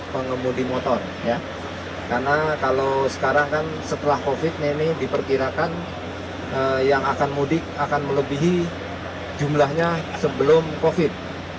pemudik motor diperkirakan yang akan mudik akan melebihi jumlahnya sebelum covid sembilan belas